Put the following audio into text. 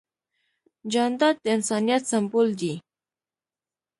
جانداد د انسانیت سمبول دی.